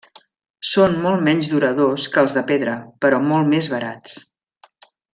Són molt menys duradors que els de pedra, però molt més barats.